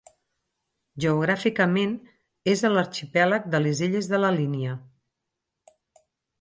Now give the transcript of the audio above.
Geogràficament és a l'arxipèlag de les illes de la Línia.